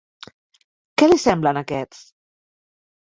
Què li semblen aquests??